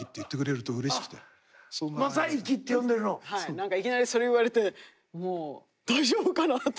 何かいきなりそれ言われてもう大丈夫かなって。